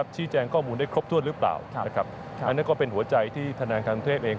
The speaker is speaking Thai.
ชี้แจงข้อมูลได้ครบถ้วนหรือเปล่าอันนั้นก็เป็นหัวใจที่ทางนางคำเทพเอง